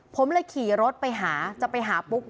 ผมเลยขี่รถไปหาจะไปหาปุ๊ก